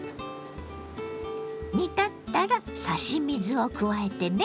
煮立ったら差し水を加えてね。